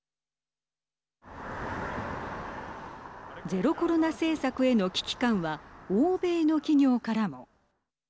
ゼロコロナ政策への危機感は欧米の企業からも。